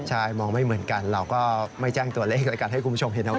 ใช่มองไม่เหมือนกันเราก็ไม่แจ้งตัวเลขแล้วกันให้คุณผู้ชมเห็นนะว่า